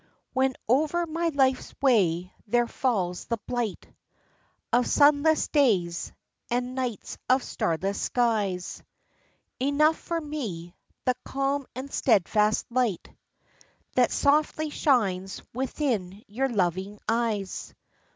When over my life's way there falls the blight Of sunless days, and nights of starless skies; Enough for me, the calm and steadfast light That softly shines within your loving eyes.